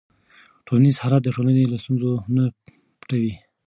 ټولنیز حالت د ټولنې له ستونزو نه پټوي.